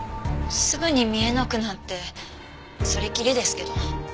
すぐに見えなくなってそれきりですけど。